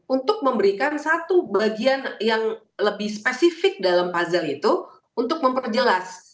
untuk memberikan satu bagian yang lebih spesifik dalam puzzle itu untuk memperjelas